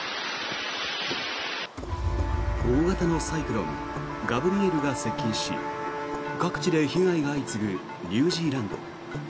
大型のサイクロンガブリエルが接近し各地で被害が相次ぐニュージーランド。